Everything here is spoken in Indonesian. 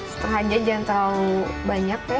setelah aja jangan terlalu banyak ya